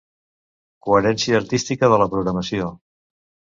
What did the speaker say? Coherència artística de la programació.